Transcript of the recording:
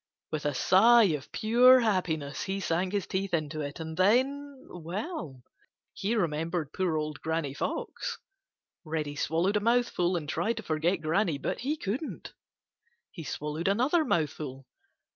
With a sigh of pure happiness he sank his teeth into it and then—well, then he remembered poor Old Granny Fox. Reddy swallowed a mouthful and tried to forget Granny. But he couldn't. He swallowed another mouthful.